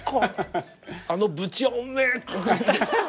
あの部長め！